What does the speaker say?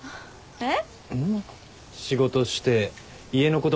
えっ？